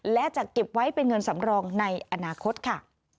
และจะเก็บไว้เป็นเงินสำรองในอนาคตค่ะ